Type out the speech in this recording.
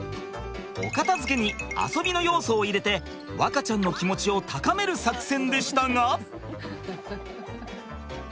お片づけに遊びの要素を入れて和花ちゃんの気持ちを高める作戦でしたが。